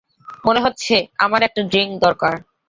মনে হচ্ছে আমার একটা ড্রিংক দরকার।